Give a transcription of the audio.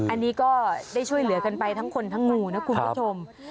อันนี้ก็ได้ช่วยเหลือกันไปทั้งคนทั้งงูนะคุณผู้ชม